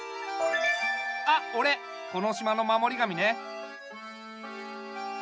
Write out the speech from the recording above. あっおれこの島の守り神ね。